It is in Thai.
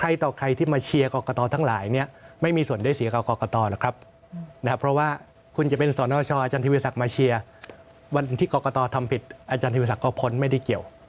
อาจารย์ธิวิสักรรพนธรรมิไม่ได้เกี่ยว